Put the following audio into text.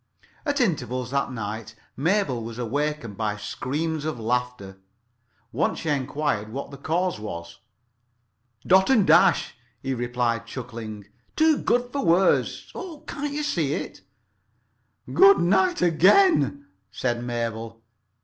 At intervals that night Mabel was awakened by screams of laughter. Once she enquired what the cause was. "Dot and Dash," he replied, chuckling. "Too good for words! Oh, can't you see it?" "Good night again," said Mabel.